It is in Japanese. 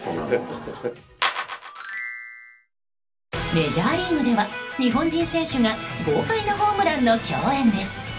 メジャーリーグでは日本人選手が豪快なホームランの競演です。